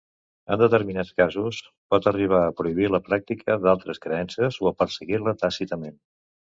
En determinats casos pot arribar a prohibir la pràctica d'altres creences o a perseguir-la tàcitament.